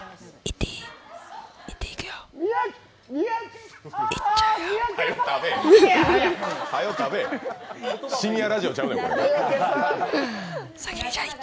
いっていい？